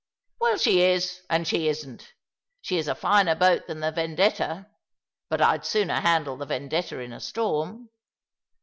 " Well, she is, and she isn't. She is a finer boat than the Vendetta; but I'd sooner handle the Vendetta in a storm.